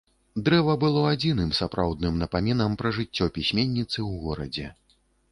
Дрэва было адзіным сапраўдным напамінам пра жыццё пісьменніцы ў горадзе.